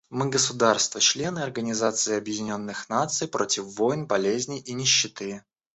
Мы, государства — члены Организации Объединенных Наций, против войн, болезней и нищеты.